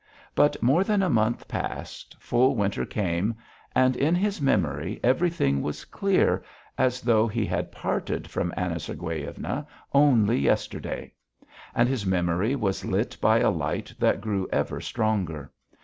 But more than a month passed, full winter came, and in his memory everything was clear, as though he had parted from Anna Sergueyevna only yesterday. And his memory was lit by a light that grew ever stronger.